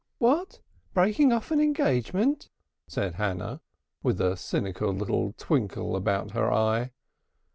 "What! breaking off an engagement?" said Hannah, with a cynical little twinkle about her eye.